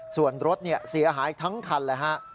ส่วนรถเสียหายทั้งคันเลยฮะ